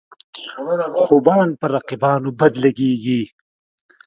خوبان پر رقیبانو بد لګيږي.